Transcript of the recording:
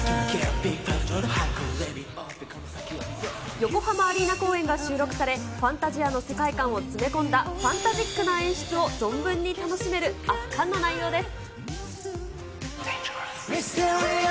横浜アリーナ公演が収録され、ファンタジアの世界観を詰め込んだファンタジックな演出を存分に楽しめる圧巻の内容です。